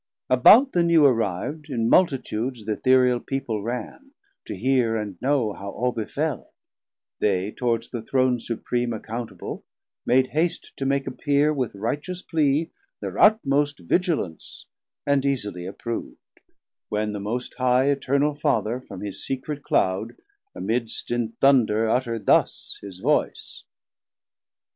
About the new arriv'd, in multitudes Th' ethereal People ran, to hear and know How all befell: they towards the Throne Supream Accountable made haste to make appear With righteous plea, thir utmost vigilance, 30 And easily approv'd; when the most High Eternal Father from his secret Cloud, Amidst in Thunder utter'd thus his voice.